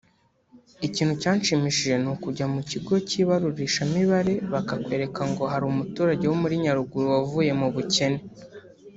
Ikintu cyanshimishije ni ukujya mu kigo cy’ibarurishamibare bakakwereka ngo hari umuturage wo muri Nyaruguru wavuye mu bukene